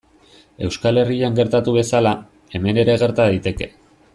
Euskal Herrian gertatu bezala, hemen ere gerta daiteke.